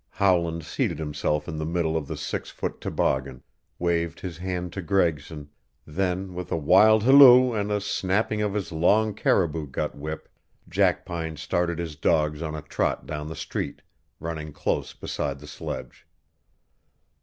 Howland seated himself in the middle of the six foot toboggan, waved his hand to Gregson, then with a wild halloo and a snapping of his long caribou gut whip Jackpine started his dogs on a trot down the street, running close beside the sledge.